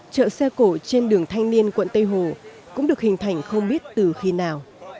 chợ xe cổ trên đường thanh niên quận tây hồ cũng được hình thành không biết từ khi nào